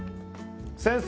先生！